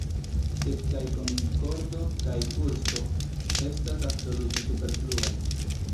Sed kaj Konkordo kaj Kursko estas absolute superfluaj.